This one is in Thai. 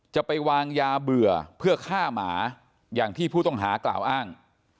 จะไปวางยาเบื่อเพื่อฆ่าหมาอย่างที่ผู้ต้องหากล่าวอ้าง